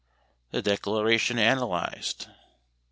The Declaration Analysed.